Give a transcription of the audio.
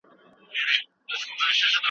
زه دي سر تر نوکه ستا بلا ګردان سم